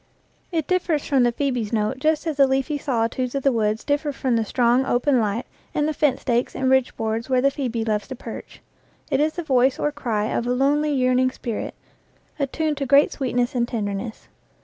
It differs from the phcebe's note just as the leafy solitudes of the woods differ from the strong, open light and the fence stakes and ridge boards where the phoebe loves to perch. It is the voice or cry of a lonely, yearning spirit, attuned to great sweetness and tenderness.